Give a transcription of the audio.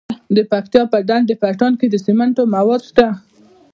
د پکتیا په ډنډ پټان کې د سمنټو مواد شته.